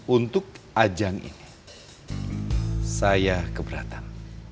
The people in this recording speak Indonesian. untuk ajang ini saya keberatan